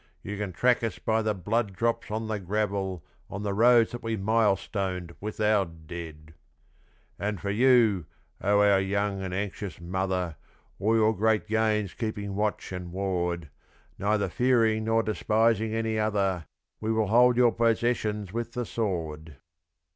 You can track us by the blood drops on the gravel On the roads that we milestoned with our dead! And for you, oh our young and anxious mother, O'er your great gains keeping watch and ward, Neither fearing nor despising any other, We will hold your possessions with the sword.